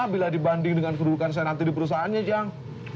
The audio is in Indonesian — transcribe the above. bila dibanding dengan kedudukan saya nanti di perusahaannya jang